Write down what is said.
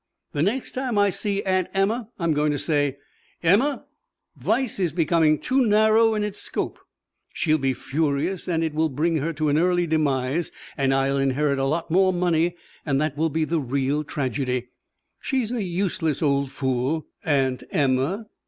The next time I see Aunt Emma I'm going to say: 'Emma, vice is becoming too narrow in its scope.' She'll be furious and it will bring her to an early demise and I'll inherit a lot more money, and that will be the real tragedy. She's a useless old fool, Aunt Emma.